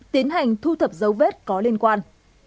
tiến hành thu thập dấu vết có liên quan